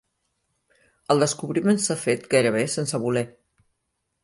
El descobriment s’ha fet gairebé sense voler.